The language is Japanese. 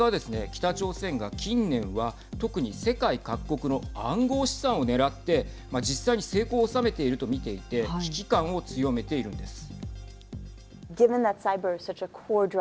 北朝鮮が近年は特に世界各国の暗号資産を狙って実際に成功を収めていると見ていて危機感を強めているんです。